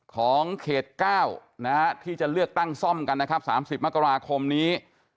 ของเขต๙ที่จะเลือกตั้งซ่อมกันนะครับ๓๐มกราคมนี้